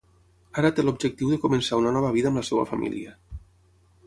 Ara té l’objectiu de començar una nova vida amb la seva família.